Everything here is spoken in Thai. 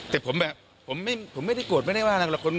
แต่ผมแบบผมไม่ได้โกรธไม่ได้ว่าอะไรหรอก